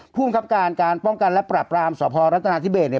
ภูมิครับการการป้องกันและปรับรามสพรัฐนาธิเบสเนี่ย